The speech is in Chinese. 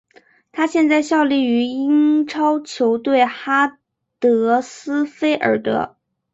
他现在效力于英超球队哈德斯菲尔德。